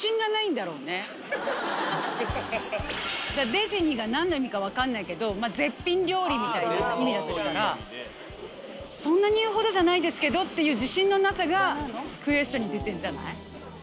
「でじに」が何の意味か分かんないけど絶品料理みたいな意味だとしたら「そんなに言うほどじゃないですけど」っていう自信のなさがクエスチョンに出てんじゃない？